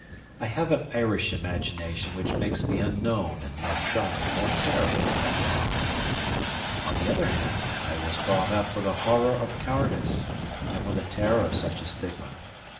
I have an Irish imagination which makes the unknown and the untried more terrible than they are. On the other hand, I was brought up with a horror of cowardice and with a terror of such a stigma.